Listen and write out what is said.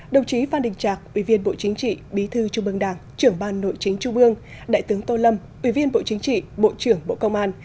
đồng chí phan đình trạc ủy viên bộ chính trị bí thư trung ương đảng trưởng ban nội chính trung ương đại tướng tô lâm ủy viên bộ chính trị bộ trưởng bộ công an